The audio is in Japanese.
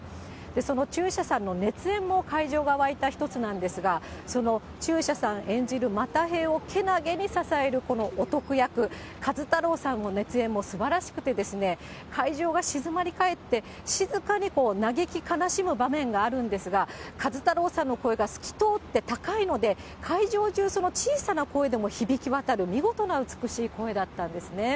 その中車さんの熱演も会場が沸いた１つなんですが、その中車さん演じる又平をけなげに支えるこのおとく役、壱太郎さんの熱演もすばらしくてですね、会場が静まり返って、静かに嘆き悲しむ場面があるんですが、壱太郎さんの声が透き通って高いので、会場中、その小さな声でも響き渡る見事な美しい声だったんですね。